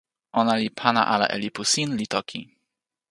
ona li pana ala e lipu sin, li toki.